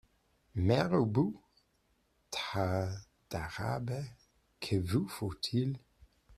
Mère Ubu Tas d’Arabes, que vous faut-il ?